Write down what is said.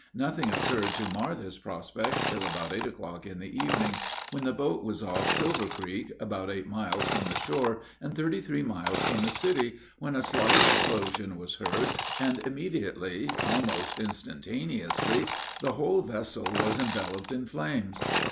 Nothing occured to mar this prospect till about eight o'clock in the evening, when the boat was off Silver Creek, about eight miles from the shore, and thirty three miles from the city, when a slight explosion was heard, and immediately, almost instantaneously, the whole vessel was enveloped in flames.